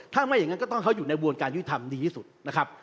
ถ้าไม่อย่างนั้นก็ต้องเขาอยู่ในบวนการยุทธรรมดีที่สุดนะครับ